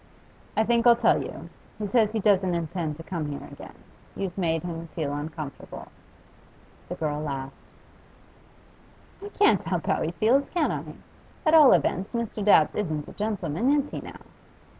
'I think I'll tell you. He says he doesn't intend to come here again. You've made him feel uncomfortable.' The girl laughed. 'I can't help how he feels, can I? At all events, Mr. Dabbs isn't a gentleman, is he, now?